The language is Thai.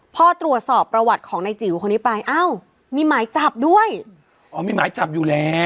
พอตรวจสอบประวัติของนายจิ๋วคนนี้ไปอ้าวมีหมายจับด้วยอ๋อมีหมายจับอยู่แล้ว